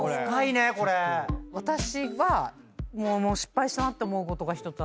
私は失敗したなって思うことが１つあって。